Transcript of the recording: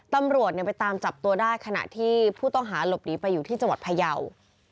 ตำรวจไปตามจับตัวได้ขณะที่ผู้ต้องหาหลบหนีไปอยู่ที่จังหวัดพยาว